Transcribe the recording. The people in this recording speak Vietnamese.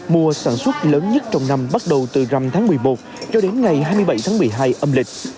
mùa sản xuất lớn nhất trong năm bắt đầu từ rằm tháng một mươi một cho đến ngày hai mươi bảy tháng một mươi hai âm lịch